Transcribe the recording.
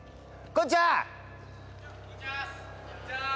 こんにちは！